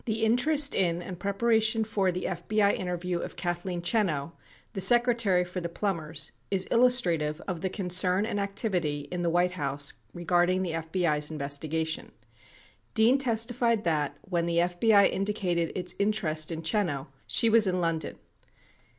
19 The interest in and preparation for the FBI interview of Kathleen Chenow, the secretary for the Plumbers, is illustrative of the concern and activity in the White House regarding the FBI's investigation. Dean testified that, when the FBI indicated its interest in Chenow, she was in London.